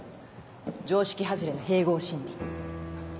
常識外れの併合審理。